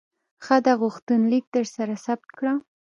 ښه ده، غوښتنلیک درسره ثبت کړه.